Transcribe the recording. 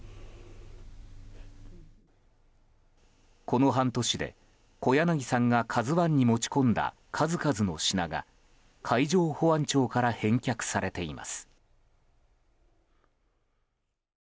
この半年で、小柳さんが「ＫＡＺＵ１」に持ち込んだ数々の品が海上保安庁から返却されています。